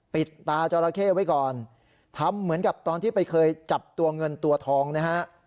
ปิดตาจอราเข้ไว้ก่อนทำเหมือนกับตอนที่ไปเคยจับตัวเงินตัวทองนะฮะ